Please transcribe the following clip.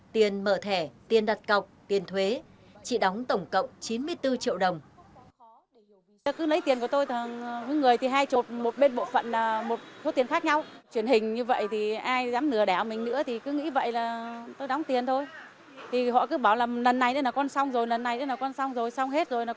tiền mở thẻ tiền đặt cọc tiền thuế chị đóng tổng cộng chín mươi bốn triệu đồng